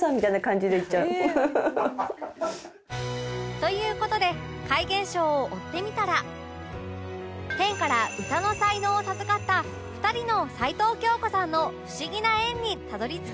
という事で怪現象を追ってみたら天から歌の才能を授かった２人の齊藤京子さんの不思議な縁にたどり着きました